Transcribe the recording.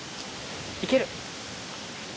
行ける！